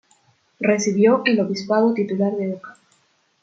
Recibió el obispado titular de Oca.